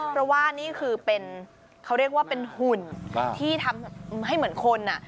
เพราะว่านี่คือเป็นเขาเรียกว่าเป็นหุ่นที่ทำให้เหมือนคน